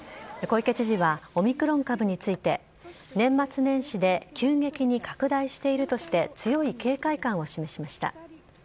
小池知事はオミクロン株について、年末年始で急激に拡大しているとして、強い警戒感を示しました。